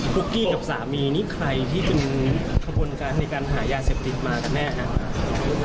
พุกกี้กับสามีนี่ใครที่เป็นข้อมูลการในการหายาเสพติดมากแน่ฮะ